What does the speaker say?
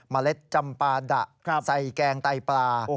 เล็ดจำปาดะใส่แกงไตปลา